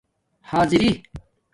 حآضِری